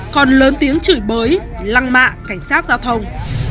còn lớn tiếng chửi bới lăng mạ cảnh sát giao thông